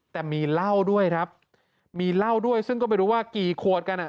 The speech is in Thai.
แต่มีเวลาด้วยแหละซึ่งก็ไม่รู้ว่ากี่ขวดกัน